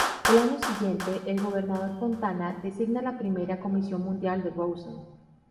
Al año siguiente, el gobernador Fontana designa la primera comisión municipal de Rawson.